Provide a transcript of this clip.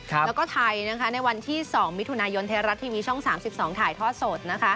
แล้วก็ไทยในวันที่๒มิถุนายนไทยรัฐทีวีช่อง๓๒ถ่ายทอดสด